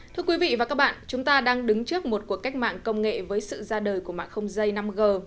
thưa quý vị và các bạn chúng ta đang đứng trước một cuộc cách mạng công nghệ với sự ra đời của mạng không dây năm g